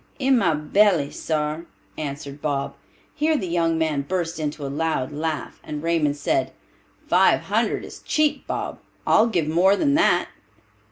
"In my belly, sar," answered Bob. Here the young men burst into a loud laugh, and Raymond said, "Five hundred is cheap, Bob; I'll give more than that."